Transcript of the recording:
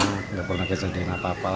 tidak pernah kejadian apa apa